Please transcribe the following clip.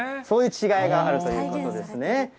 そういう違いがあるということですね。